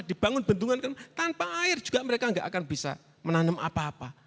dibangun bendungan tanpa air juga mereka tidak akan bisa menanam apa apa